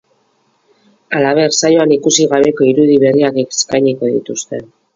Halaber, saioan ikusi gabeko irudi berriak eskainiko dituzte.